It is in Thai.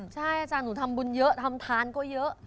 ใช่อาจารย์หนูทำบุญเยอะทำทานก็เยอะ